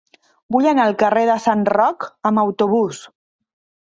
Vull anar al carrer de Sant Roc amb autobús.